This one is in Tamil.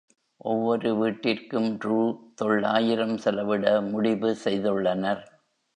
ஒவ்வொரு வீட்டிற்கும் ரூ தொள்ளாயிரம் செலவிட முடிவு செய்துள்ளனர்.